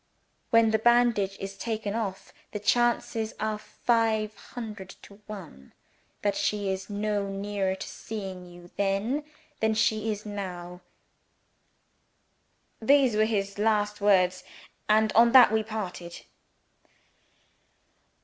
When the bandage is taken off, the chances are five hundred to one that she is no nearer to seeing you then than she is now.' These were his last words and on that we parted."